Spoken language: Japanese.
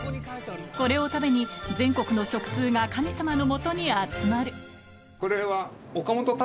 これを食べに全国の食通が神様のもとに集まるこれは。